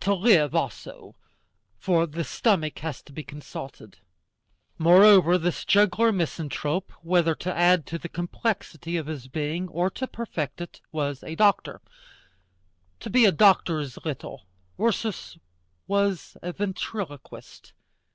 To live, also; for the stomach has to be consulted. Moreover, this juggler misanthrope, whether to add to the complexity of his being or to perfect it, was a doctor. To be a doctor is little: Ursus was a ventriloquist.